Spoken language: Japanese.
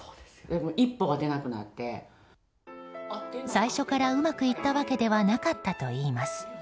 最初からうまくいったわけではなかったといいます。